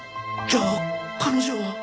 じゃあ彼女は。